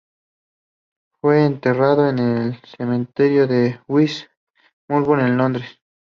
Fue enterrado en el cementerio de West Norwood, en Londres.